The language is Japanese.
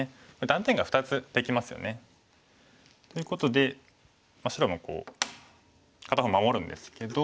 断点が２つできますよね。ということで白も片方守るんですけど。